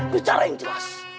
bicara yang jelas